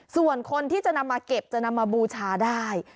ส่วนคนที่จะนำมาเก็บจะนำมาบูชาได้